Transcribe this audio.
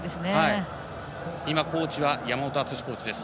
コーチは山本篤コーチです。